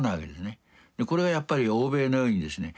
これはやっぱり欧米のようにですね